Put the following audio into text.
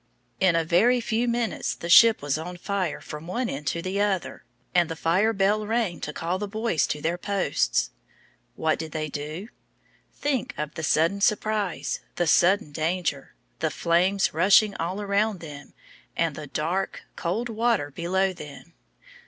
In a very few minutes the ship was on fire from one end to the other, and the fire bell rang to call the boys to their posts. What did they do? Think of the sudden surprise, the sudden danger the flames rushing all around them, and the dark, cold water below them!